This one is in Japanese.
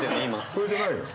それじゃないの？